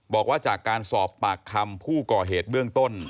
บอกว่าจากการสอบปากคำผู้ก่อเหตุเบื้องต้น